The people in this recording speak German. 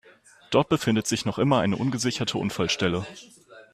Dort befindet sich noch immer eine ungesicherte Unfallstelle.